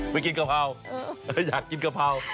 ไปกินกะเพราอยากกินกะเพรา